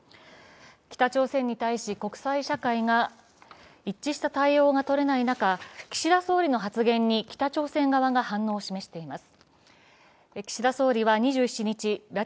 北朝鮮に対し、国際社会が一致した対応が取れない中、岸田総理の発言に北朝鮮側が反応を示しています。